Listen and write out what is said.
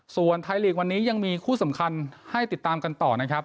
ส่วนไทยลีกวันนี้ยังมีคู่สำคัญให้ติดตามกันต่อนะครับ